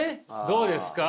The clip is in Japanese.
どうですか？